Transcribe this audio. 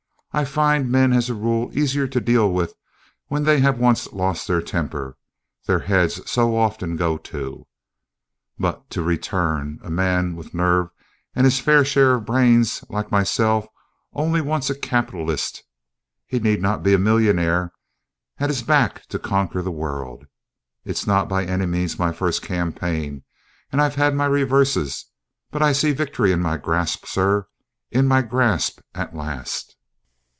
I find men as a rule easier to deal with when they have once lost their temper, their heads so often go too. But to return: a man with nerve and his fair share of brains, like myself, only wants a capitalist (he need not be a millionaire) at his back to conquer the world. It's not by any means my first campaign, and I've had my reverses, but I see victory in my grasp, sir, in my grasp at last!"